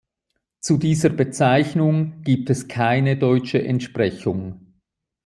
Zu dieser Bezeichnung gibt es keine deutsche Entsprechung.